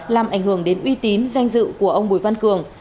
làm ảnh hưởng đến uy tín danh dự của ông bùi văn cường